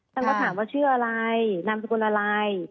ท่านก็ถามว่าชื่ออะไรนามสกุลอะไร